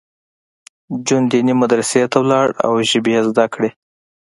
جون دیني مدرسې ته لاړ او ژبې یې زده کړې